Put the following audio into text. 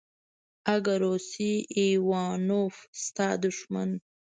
اگه روسی ايوانوف ستا دښمن.